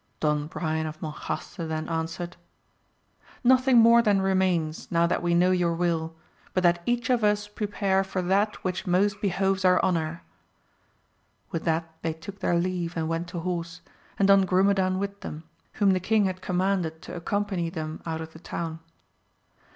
Don Brian of Monjaste then answered, nothing more then remains, now that we know your will, but that each of us pre AMADIS OF GAUL. in pare for that which most behoves our honour. With that they took their leave and went to horse, and Don Grumedan with them, whom the king had commanded to accompany them put of the town.